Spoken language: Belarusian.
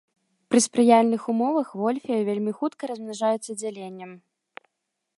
Пры спрыяльных умовах вольфія вельмі хутка размнажаецца дзяленнем.